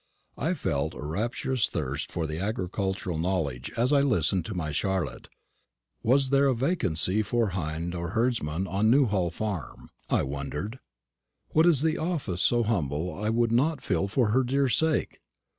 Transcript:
I felt a rapturous thirst for agricultural knowledge as I listened to my Charlotte. Was there a vacancy for hind or herdsman on Newhall farm, I wondered. What is the office so humble I would not fill for her dear sake?